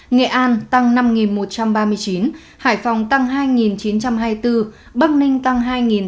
nghệ an tăng năm một trăm ba mươi chín hải phòng tăng hai chín trăm hai mươi bốn bắc ninh tăng hai tám trăm năm mươi tám